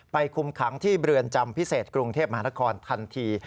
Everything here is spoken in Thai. คุมขังที่เรือนจำพิเศษกรุงเทพมหานครทันที